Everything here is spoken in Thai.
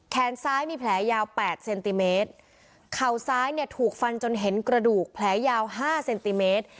แขนซ้ายมีแผลยาวแปดเซนติเมตรเข่าซ้ายเนี่ยถูกฟันจนเห็นกระดูกแผลยาวห้าเซนติเมตร